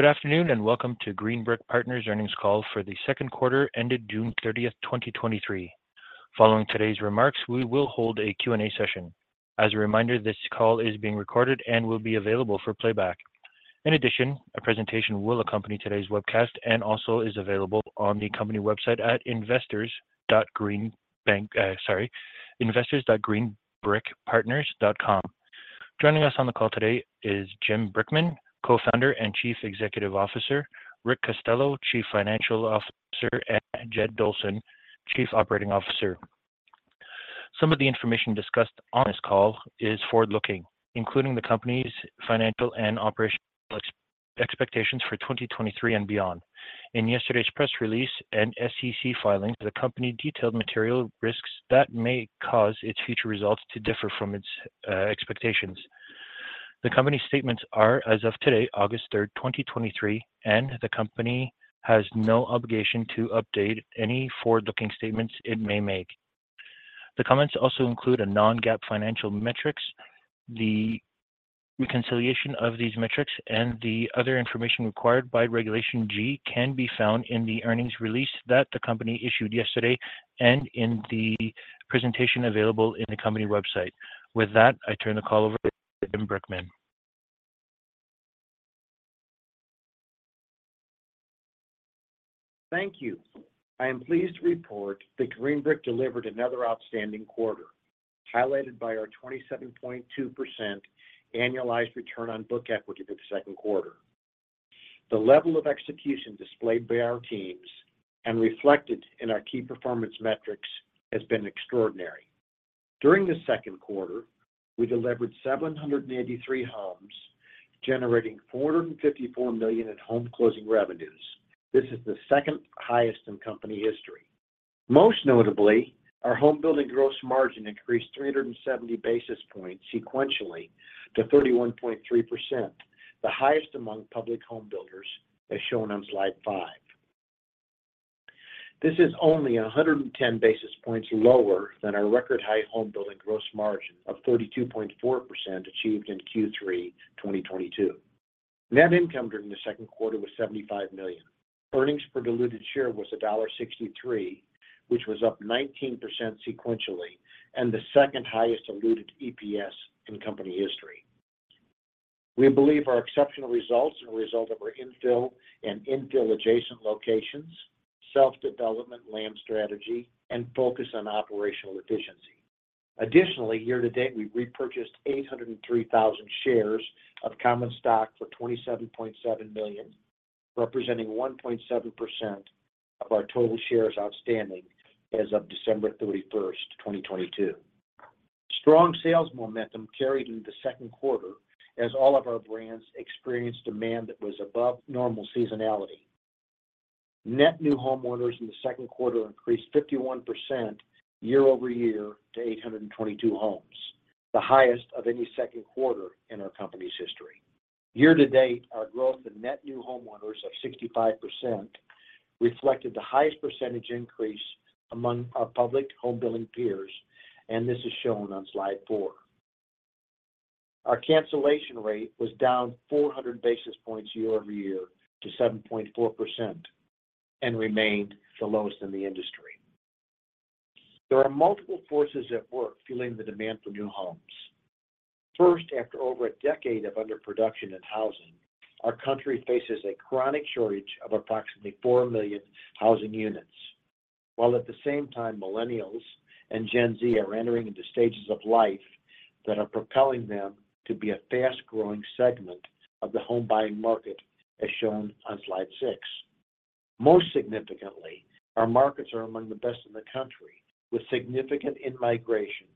Good afternoon, and welcome to Green Brick Partners earnings call for the second quarter ended June 30, 2023. Following today's remarks, we will hold a Q&A session. As a reminder, this call is being recorded and will be available for playback. In addition, a presentation will accompany today's webcast and also is available on the company website at investors.greenbrickpartners.com. Joining us on the call today is Jim Brickman, Co-founder and Chief Executive Officer, Rick Costello, Chief Financial Officer, and Jedd Dolson, Chief Operating Officer. Some of the information discussed on this call is forward-looking, including the company's financial and operational expectations for 2023 and beyond. In yesterday's press release and SEC filings, the company detailed material risks that may cause its future results to differ from its expectations. The company's statements are as of today, August third, 2023, and the company has no obligation to update any forward-looking statements it may make. The comments also include a non-GAAP financial metrics. The reconciliation of these metrics and the other information required by Regulation G can be found in the earnings release that the company issued yesterday and in the presentation available in the company website. With that, I turn the call over to Jim Brickman. Thank you. I am pleased to report that Green Brick delivered another outstanding quarter, highlighted by our 27.2% annualized return on book equity for the second quarter. The level of execution displayed by our teams and reflected in our key performance metrics has been extraordinary. During the second quarter, we delivered 783 homes, generating $454 million in home closing revenues. This is the second highest in company history. Most notably, our home building gross margin increased 370 basis points sequentially to 31.3%, the highest among public home builders, as shown on slide five. This is only 110 basis points lower than our record-high home building gross margin of 32.4% achieved in Q3 2022. Net income during the second quarter was $75 million. Earnings per diluted share was $1.63, which was up 19% sequentially and the second highest diluted EPS in company history. We believe our exceptional results are a result of our infill and infill-adjacent locations, self-development land strategy, and focus on operational efficiency. Additionally, year to date, we repurchased 803,000 shares of common stock for $27.7 million, representing 1.7% of our total shares outstanding as of December 31, 2022. Strong sales momentum carried into the second quarter, as all of our brands experienced demand that was above normal seasonality. Net new homeowners in the second quarter increased 51% year over year to 822 homes, the highest of any second quarter in our company's history. Year to date, our growth in net new homeowners of 65% reflected the highest percentage increase among our public home building peers. This is shown on slide 4. Our cancellation rate was down 400 basis points year-over-year to 7.4% and remained the lowest in the industry. There are multiple forces at work fueling the demand for new homes. First, after over a decade of underproduction in housing, our country faces a chronic shortage of approximately 4 million housing units, while at the same time, Millennials and Gen Z are entering into stages of life that are propelling them to be a fast-growing segment of the home buying market, as shown on slide 6. Most significantly, our markets are among the best in the country, with significant in-migration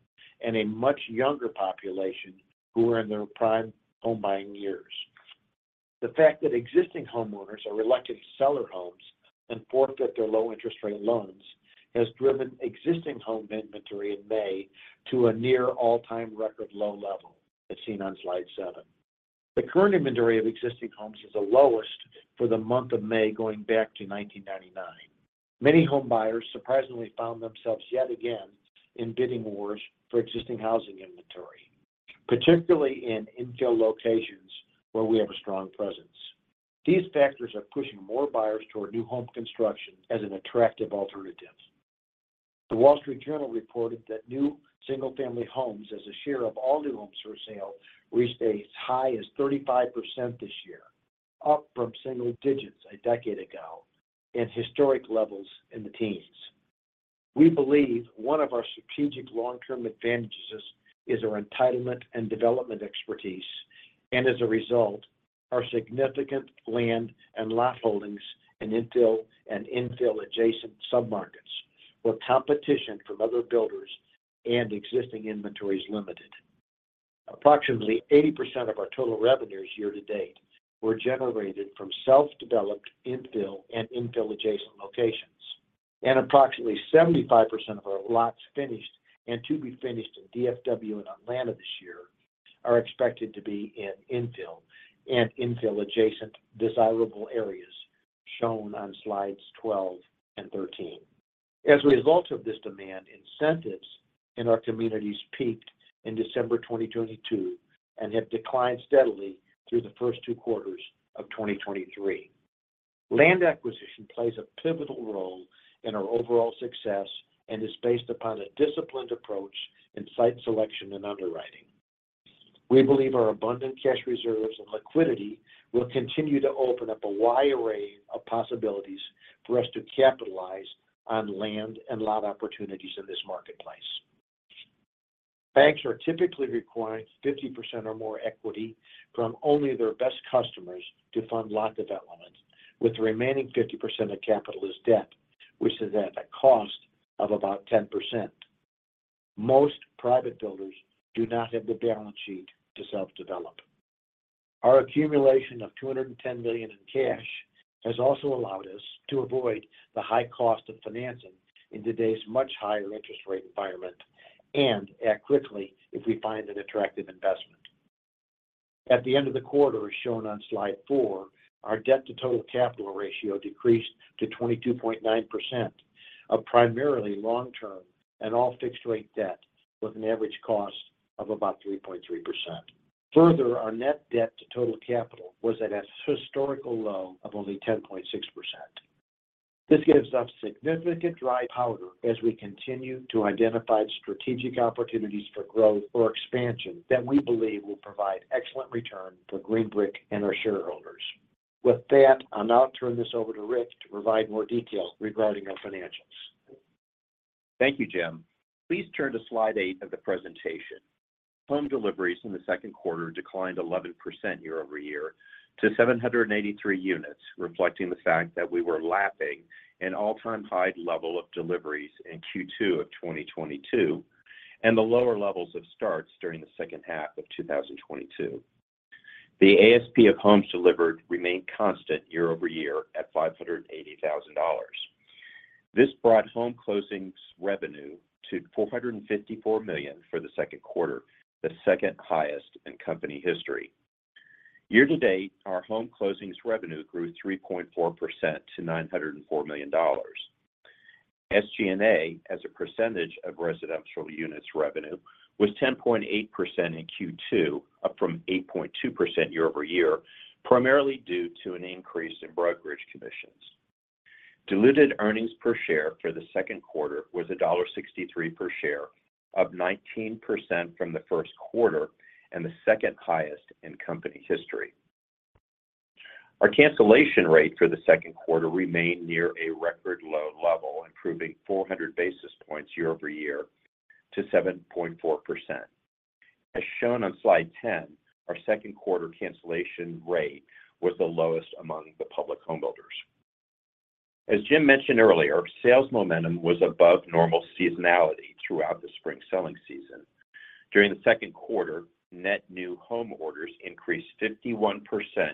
and a much younger population who are in their prime home buying years. The fact that existing homeowners are reluctant to sell their homes and forfeit their low interest rate loans has driven existing home inventory in May to a near all-time record low level, as seen on slide 7. The current inventory of existing homes is the lowest for the month of May, going back to 1999. Many homebuyers surprisingly found themselves yet again in bidding wars for existing housing inventory, particularly in infill locations where we have a strong presence. These factors are pushing more buyers toward new home construction as an attractive alternative. The Wall Street Journal reported that new single-family homes, as a share of all new homes for sale, reached as high as 35% this year, up from single digits a decade ago and historic levels in the teens. We believe one of our strategic long-term advantages is our entitlement and development expertise, as a result, our significant land and lot holdings in infill and infill-adjacent submarkets, where competition from other builders and existing inventory is limited. Approximately 80% of our total revenues year to date were generated from self-developed infill and infill-adjacent locations, approximately 75% of our lots finished and to be finished in DFW and Atlanta this year are expected to be in infill and infill-adjacent desirable areas.... shown on Slides 12 and 13. As a result of this demand, incentives in our communities peaked in December 2022, have declined steadily through the first two quarters of 2023. Land acquisition plays a pivotal role in our overall success and is based upon a disciplined approach in site selection and underwriting. We believe our abundant cash reserves and liquidity will continue to open up a wide array of possibilities for us to capitalize on land and lot opportunities in this marketplace. Banks are typically requiring 50% or more equity from only their best customers to fund lot development, with the remaining 50% of capital as debt, which is at a cost of about 10%. Most private builders do not have the balance sheet to self-develop. Our accumulation of $210 million in cash has also allowed us to avoid the high cost of financing in today's much higher interest rate environment and act quickly if we find an attractive investment. At the end of the quarter, as shown on Slide four, our debt to total capital ratio decreased to 22.9% of primarily long-term and all fixed-rate debt, with an average cost of about 3.3%. Further, our net debt to total capital was at a historical low of only 10.6%. This gives us significant dry powder as we continue to identify strategic opportunities for growth or expansion that we believe will provide excellent return for Green Brick and our shareholders. With that, I'll now turn this over to Rick to provide more details regarding our financials. Thank you, Jim. Please turn to Slide 8 of the presentation. Home deliveries in the second quarter declined 11% year-over-year to 783 units, reflecting the fact that we were lapping an all-time high level of deliveries in Q2 of 2022 and the lower levels of starts during the H2 of 2022. The ASP of homes delivered remained constant year-over-year at $580,000. This brought home closings revenue to $454 million for the second quarter, the second highest in company history. Year to date, our home closings revenue grew 3.4% to $904 million. SG&A, as a percentage of residential units revenue, was 10.8% in Q2, up from 8.2% year-over-year, primarily due to an increase in brokerage commissions. Diluted earnings per share for the second quarter was $1.63 per share, up 19% from the first quarter and the second highest in company history. Our cancellation rate for the second quarter remained near a record low level, improving 400 basis points year-over-year to 7.4%. As shown on Slide 10, our second quarter cancellation rate was the lowest among the public home builders. As Jim mentioned earlier, sales momentum was above normal seasonality throughout the spring selling season. During the second quarter, net new home orders increased 51%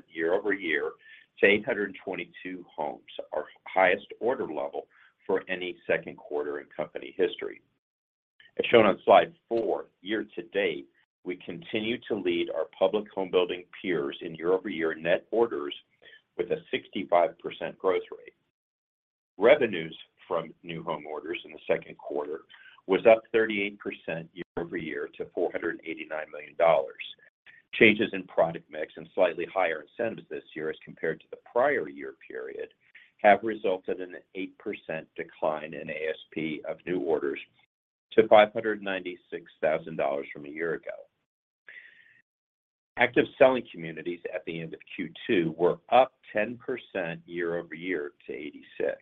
year-over-year to 822 homes, our highest order level for any second quarter in company history. As shown on Slide 4, year-to-date, we continue to lead our public home building peers in year-over-year net orders with a 65% growth rate. Revenues from new home orders in the second quarter was up 38% year-over-year to $489 million. Changes in product mix and slightly higher incentives this year as compared to the prior year period, have resulted in an 8% decline in ASP of new orders to $596,000 from a year ago. Active selling communities at the end of Q2 were up 10% year-over-year to 86.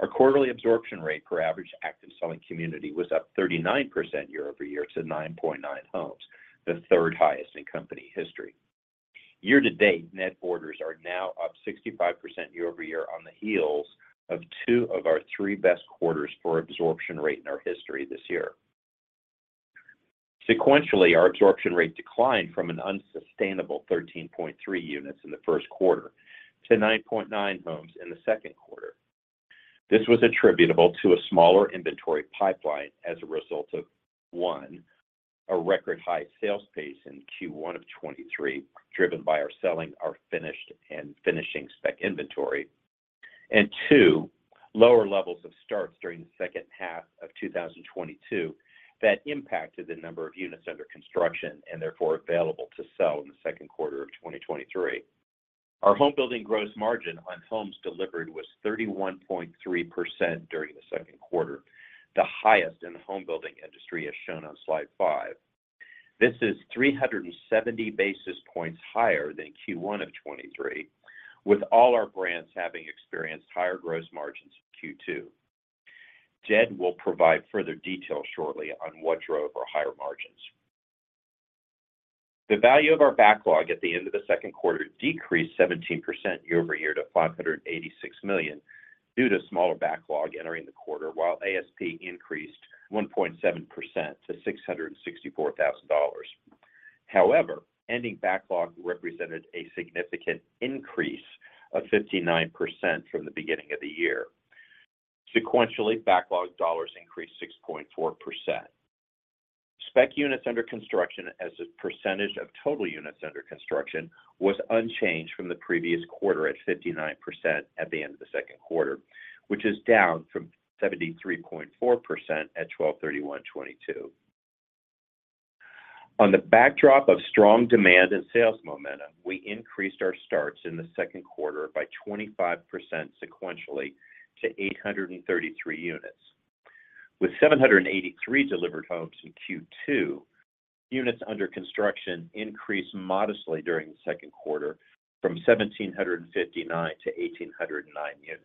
Our quarterly absorption rate per average active selling community was up 39% year-over-year to 9.9 homes, the third highest in company history. Year to date, net orders are now up 65% year-over-year on the heels of two of our three best quarters for absorption rate in our history this year. Sequentially, our absorption rate declined from an unsustainable 13.3 units in the first quarter to 9.9 homes in the second quarter. This was attributable to a smaller inventory pipeline as a result of, 1, a record high sales pace in Q1 of 2023, driven by our selling our finished and finishing spec inventory. Two, lower levels of starts during the H2 of 2022 that impacted the number of units under construction and therefore available to sell in the second quarter of 2023. Our home building gross margin on homes delivered was 31.3% during the second quarter, the highest in the home building industry, as shown on Slide 5. This is 370 basis points higher than Q1 of 2023, with all our brands having experienced higher gross margins in Q2. Jedd will provide further detail shortly on what drove our higher margins. The value of our backlog at the end of the second quarter decreased 17% year-over-year to $586 million due to smaller backlog entering the quarter, while ASP increased 1.7% to $664,000. Ending backlog represented a significant increase of 59% from the beginning of the year. Sequentially, backlog dollars increased 6.4%. Spec units under construction as a percentage of total units under construction was unchanged from the previous quarter at 59% at the end of the second quarter, which is down from 73.4% at 12/31/22. On the backdrop of strong demand and sales momentum, we increased our starts in the second quarter by 25% sequentially to 833 units. With 783 delivered homes in Q2, units under construction increased modestly during the second quarter from 1,759 to 1,809 units.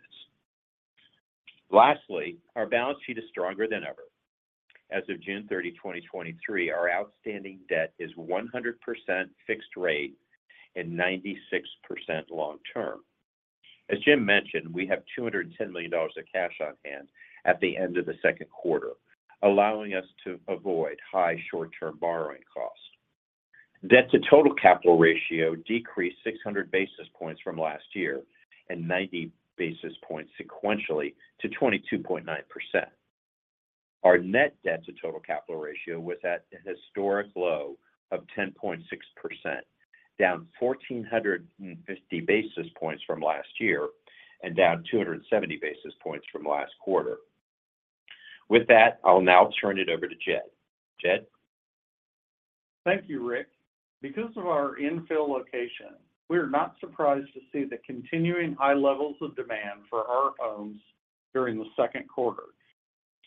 Lastly, our balance sheet is stronger than ever. As of June 30, 2023, our outstanding debt is 100% fixed rate and 96% long term. As Jim mentioned, we have $210 million of cash on hand at the end of the second quarter, allowing us to avoid high short-term borrowing costs. Debt to total capital ratio decreased 600 basis points from last year and 90 basis points sequentially to 22.9%. Our net debt to total capital ratio was at a historic low of 10.6%, down 1,450 basis points from last year and down 270 basis points from last quarter. With that, I'll now turn it over to Jedd. Jedd? Thank you, Rick. Because of our infill location, we are not surprised to see the continuing high levels of demand for our homes during the second quarter.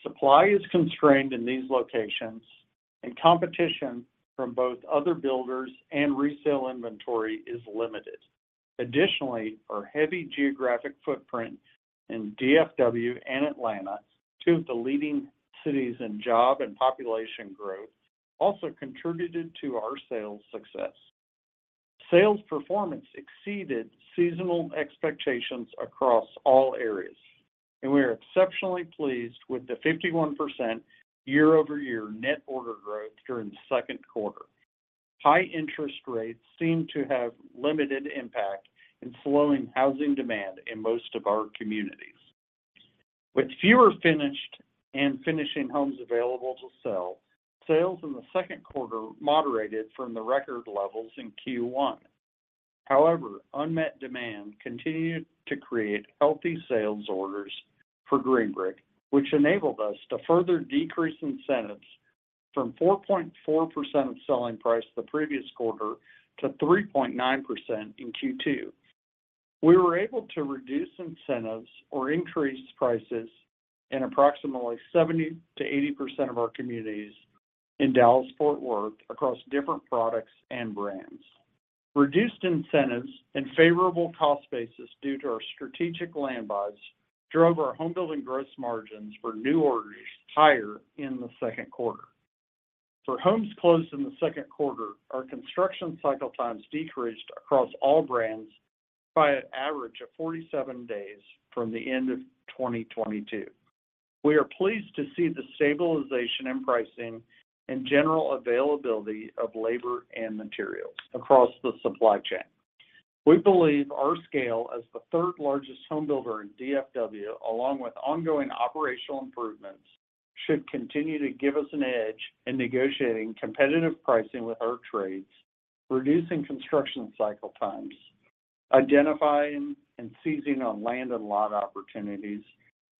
Supply is constrained in these locations, and competition from both other builders and resale inventory is limited. Our heavy geographic footprint in DFW and Atlanta, two of the leading cities in job and population growth, also contributed to our sales success. Sales performance exceeded seasonal expectations across all areas, and we are exceptionally pleased with the 51% year-over-year net order growth during the second quarter. High interest rates seem to have limited impact in slowing housing demand in most of our communities. With fewer finished and finishing homes available to sell, sales in the second quarter moderated from the record levels in Q1. Unmet demand continued to create healthy sales orders for Green Brick, which enabled us to further decrease incentives from 4.4% of selling price the previous quarter to 3.9% in Q2. We were able to reduce incentives or increase prices in approximately 70%-80% of our communities in Dallas-Fort Worth across different products and brands. Reduced incentives and favorable cost basis due to our strategic land buys drove our home building gross margins for new orders higher in the second quarter. For homes closed in the second quarter, our construction cycle times decreased across all brands by an average of 47 days from the end of 2022. We are pleased to see the stabilization in pricing and general availability of labor and materials across the supply chain. We believe our scale as the third-largest home builder in DFW, along with ongoing operational improvements, should continue to give us an edge in negotiating competitive pricing with our trades, reducing construction cycle times, identifying and seizing on land and lot opportunities,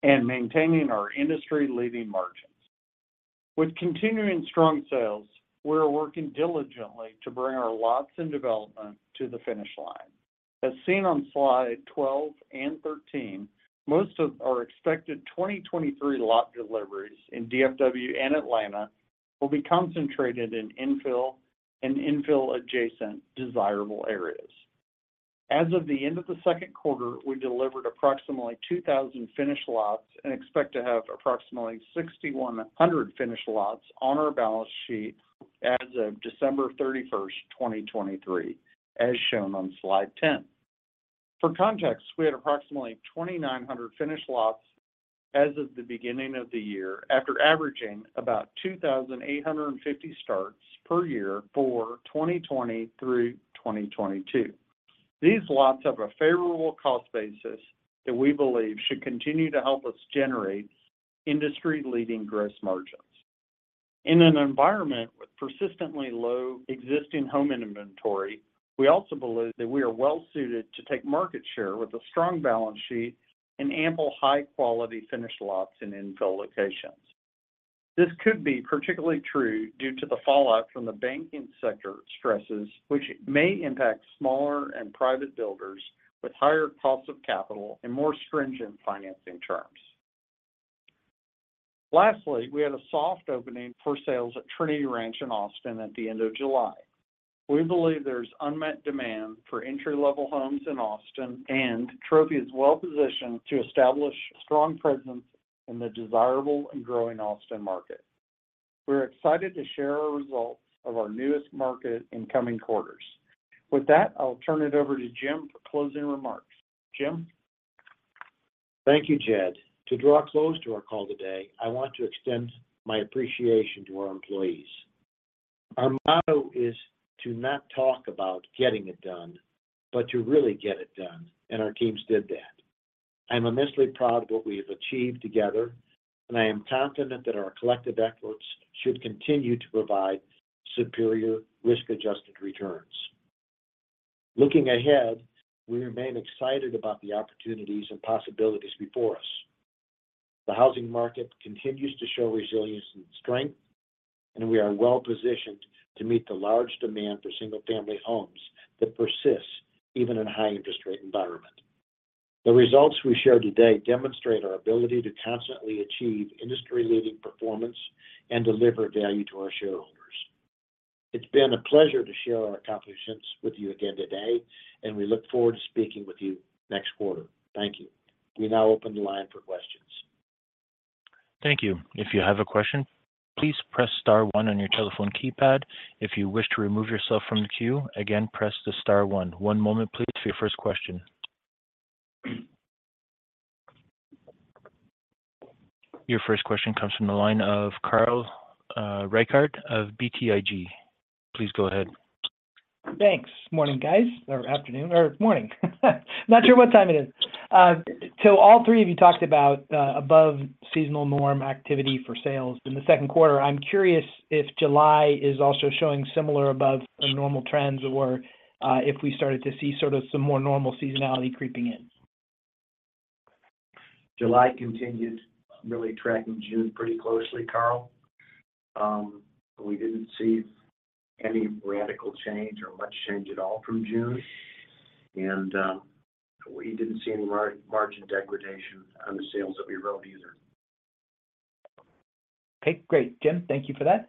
and maintaining our industry-leading margins. With continuing strong sales, we're working diligently to bring our lots and development to the finish line. As seen on slide 12 and 13, most of our expected 2023 lot deliveries in DFW and Atlanta will be concentrated in infill and infill-adjacent desirable areas. As of the end of the second quarter, we delivered approximately 2,000 finished lots and expect to have approximately 6,100 finished lots on our balance sheet as of December 31, 2023, as shown on slide 10. For context, we had approximately 2,900 finished lots as of the beginning of the year, after averaging about 2,850 starts per year for 2020 through 2022. These lots have a favorable cost basis that we believe should continue to help us generate industry-leading gross margins. In an environment with persistently low existing home inventory, we also believe that we are well suited to take market share with a strong balance sheet and ample, high-quality finished lots in infill locations. This could be particularly true due to the fallout from the banking sector stresses, which may impact smaller and private builders with higher costs of capital and more stringent financing terms. Lastly, we had a soft opening for sales at Trinity Ranch in Austin at the end of July. We believe there's unmet demand for entry-level homes in Austin, and Trophy is well positioned to establish a strong presence in the desirable and growing Austin market. We're excited to share our results of our newest market in coming quarters. With that, I'll turn it over to Jim for closing remarks. Jim? Thank you, Jedd. To draw close to our call today, I want to extend my appreciation to our employees. Our motto is to not talk about getting it done, but to really get it done. Our teams did that. I'm immensely proud of what we have achieved together, and I am confident that our collective efforts should continue to provide superior risk-adjusted returns. Looking ahead, we remain excited about the opportunities and possibilities before us. The housing market continues to show resilience and strength, and we are well positioned to meet the large demand for single-family homes that persist even in high interest rate environment. The results we shared today demonstrate our ability to constantly achieve industry-leading performance and deliver value to our shareholders. It's been a pleasure to share our accomplishments with you again today, and we look forward to speaking with you next quarter. Thank you. We now open the line for questions. Thank you. If you have a question, please press star one on your telephone keypad. If you wish to remove yourself from the queue, again, press the star one. One moment please for your first question. Your first question comes from the line of Carl Reichardt of BTIG. Please go ahead. Thanks. Morning, guys, or afternoon, or morning. Not sure what time it is. All three of you talked about above seasonal norm activity for sales in the second quarter. I'm curious if July is also showing similar above a normal trends or if we started to see sort of some more normal seasonality creeping in. July continued really tracking June pretty closely, Carl. We didn't see any radical change or much change at all from June, we didn't see any margin degradation on the sales that we wrote either. Okay, great, Jim. Thank you for that.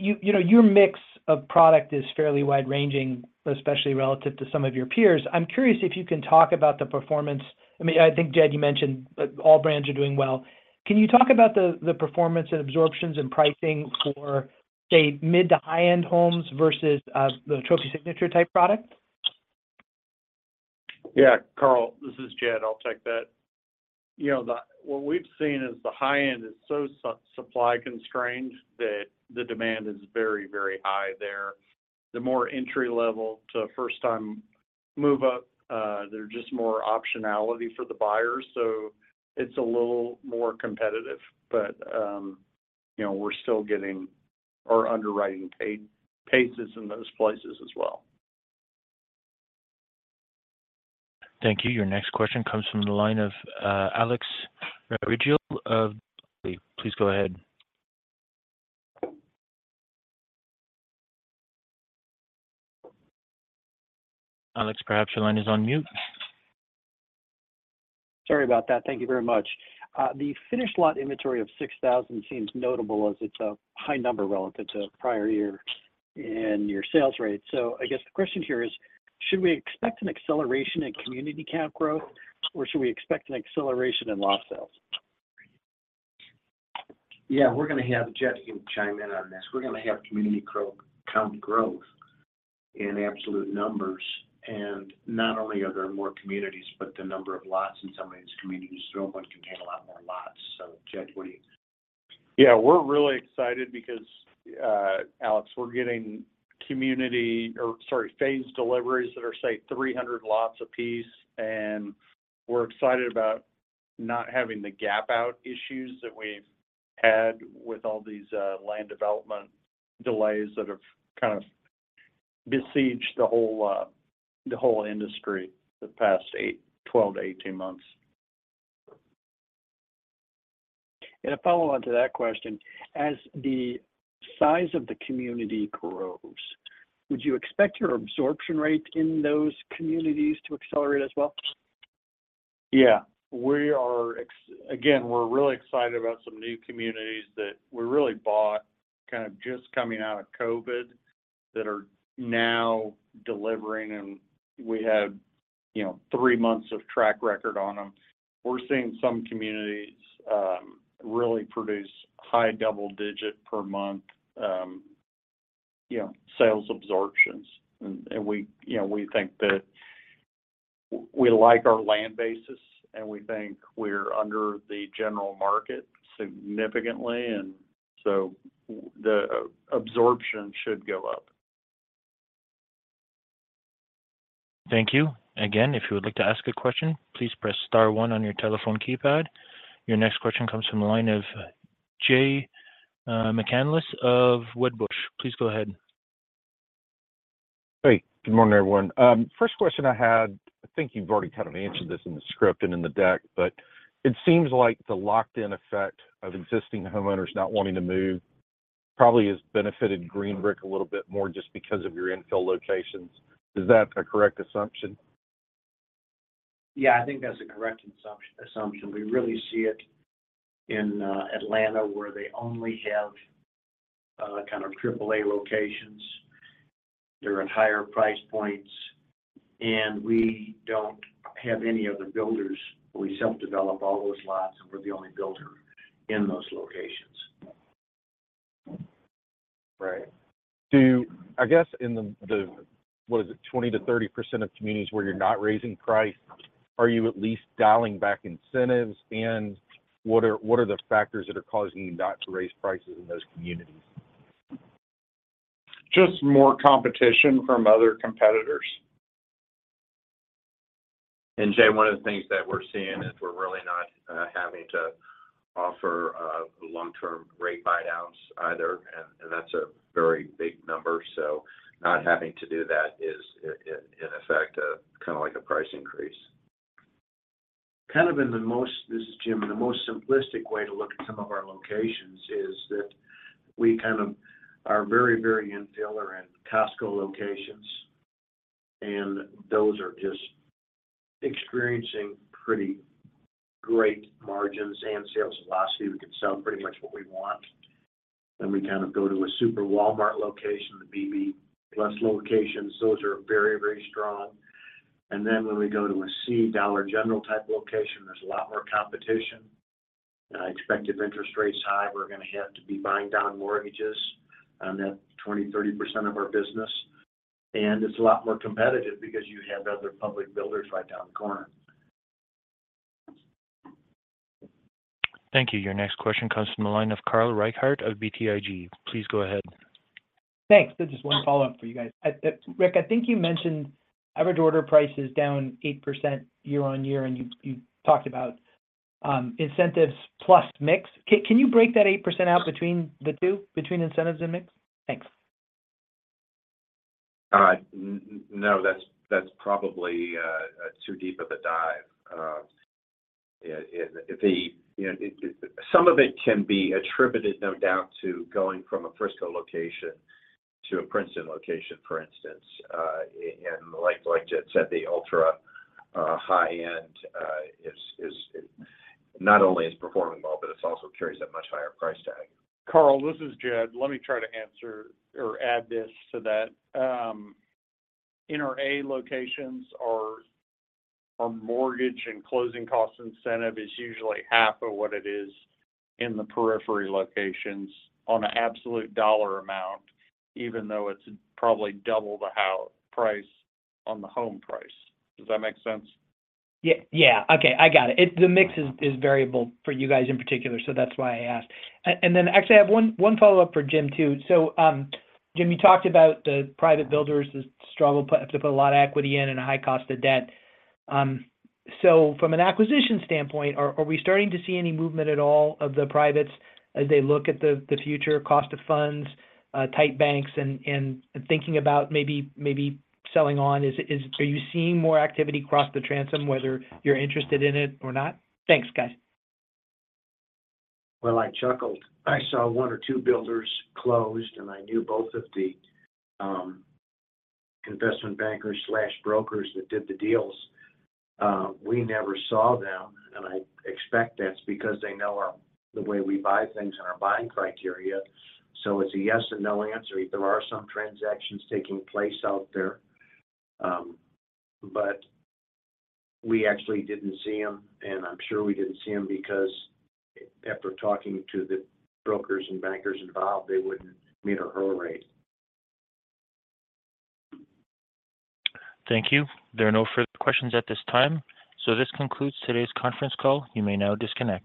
You know, your mix of product is fairly wide-ranging, especially relative to some of your peers. I'm curious if you can talk about the performance, I mean, I think, Jedd, you mentioned that all brands are doing well. Can you talk about the, the performance and absorptions and pricing for, say, mid to high-end homes versus the Trophy Signature-type product? Yeah, Carl, this is Jedd. I'll take that. You know, what we've seen is the high end is so supply constrained that the demand is very, very high there. The more entry level to first time move up, they're just more optionality for the buyers, so it's a little more competitive. You know, we're still getting our underwriting paid paces in those places as well. Thank you. Your next question comes from the line of Alex Rygiel. Please go ahead. Alex, perhaps your line is on mute. Sorry about that. Thank you very much. The finished lot inventory of 6,000 seems notable as it's a high number relative to prior year and your sales rate. I guess the question here is, should we expect an acceleration in community count growth, or should we expect an acceleration in lot sales? Yeah, we're gonna have, Jedd can chime in on this. We're gonna have community count growth in absolute numbers, not only are there more communities, but the number of lots in some of these communities, one contain a lot more lots. Jedd, what do you- Yeah, we're really excited because, Alex, we're getting community, or sorry, phase deliveries that are, say, 300 lots a piece, and we're excited about not having the gap out issues that we've had with all these, land development delays that have kind of besieged the whole, the whole industry the past 8, 12 to 18 months. A follow-on to that question, as the size of the community grows, would you expect your absorption rate in those communities to accelerate as well? Yeah. We are again, we're really excited about some new communities that we really bought, kind of just coming out of COVID, that are now delivering, and we have, you know, three months of track record on them. We're seeing some communities, really produce high double digit per month, you know, sales absorptions. We, you know, we think that we like our land basis, and we think we're under the general market significantly, and so the absorption should go up. Thank you. Again, if you would like to ask a question, please press star one on your telephone keypad. Your next question comes from the line of Jay McCanless of Wedbush. Please go ahead. Hey, good morning, everyone. First question I had, I think you've already kind of answered this in the script and in the deck, it seems like the locked in effect of existing homeowners not wanting to move probably has benefited Green Brick Partners a little bit more just because of your infill locations. Is that a correct assumption? Yeah, I think that's a correct assumption. We really see it in Atlanta, where they only have kind of triple A locations. They're at higher price points, we don't have any other builders. We self-develop all those lots, we're the only builder in those locations. Right. I guess in the, the, what is it, 20%-30% of communities where you're not raising price, are you at least dialing back incentives? What are, what are the factors that are causing you not to raise prices in those communities? just more competition from other competitors. Jay, one of the things that we're seeing is we're really not having to offer long-term rate buyouts either, and, and that's a very big number. Not having to do that is, in, in, in effect, kind of like a price increase. Kind of in the most, this is Jim, the most simplistic way to look at some of our locations is that we kind of are very, very infill in Costco locations, and those are just experiencing pretty great margins and sales velocity. We can sell pretty much what we want. We kind of go to a super Walmart location, the B+ locations. Those are very, very strong. When we go to a C Dollar General-type location, there's a lot more competition. Expected interest rates high, we're going to have to be buying down mortgages, and that's 20%, 30% of our business, and it's a lot more competitive because you have other public builders right down the corner. Thank you. Your next question comes from the line of Carl Reichardt of BTIG. Please go ahead. Thanks. Just 1 follow-up for you guys. I, Rick, I think you mentioned average order price is down 8% year on year, and you, you talked about incentives plus mix. Can, can you break that 8% out between the two, between incentives and mix? Thanks. No, that's, that's probably too deep of a dive. Yeah, you know, it. Some of it can be attributed, no doubt, to going from a Frisco location to a Princeton location, for instance. Like, like Jedd said, the ultra high-end is not only it's performing well, but it's also carries a much higher price tag. Carl, this is Jedd. Let me try to answer or add this to that. In our A locations, our, our mortgage and closing cost incentive is usually half of what it is in the periphery locations on an absolute dollar amount, even though it's probably double the price on the home price. Does that make sense? Yeah, yeah. Okay, I got it. The mix is, is variable for you guys in particular, so that's why I asked. Then actually, I have one, one follow-up for Jim, too. Jim, you talked about the private builders that struggle to put a lot of equity in and a high cost of debt. From an acquisition standpoint, are, are we starting to see any movement at all of the privates as they look at the, the future cost of funds, tight banks and, and thinking about maybe, maybe selling on? Are you seeing more activity across the transom, whether you're interested in it or not? Thanks, guys. Well, I chuckled. I saw 1 or 2 builders closed. I knew both of the investment bankers/brokers that did the deals. We never saw them, and I expect that's because they know the way we buy things and our buying criteria. It's a yes or no answer. There are some transactions taking place out there, but we actually didn't see them, and I'm sure we didn't see them because after talking to the brokers and bankers involved, they wouldn't meet our hurdle rate. Thank you. There are no further questions at this time. This concludes today's conference call. You may now disconnect.